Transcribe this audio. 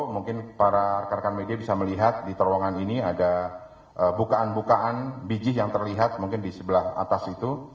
mungkin para rekan rekan media bisa melihat di terowongan ini ada bukaan bukaan biji yang terlihat mungkin di sebelah atas itu